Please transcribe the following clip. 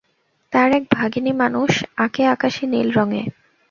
তাঁর এক ভাগিনী মানুষ আঁকে আকাশি নীল রঙে।